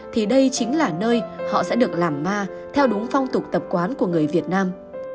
thì đây chính là nơi họ sẽ được làm ma theo đúng phong tục tập quán của người việt nam